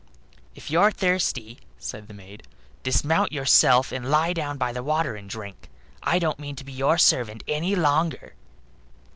"If you're thirsty," said the maid, "dismount yourself, and lie down by the water and drink; I don't mean to be your servant any longer."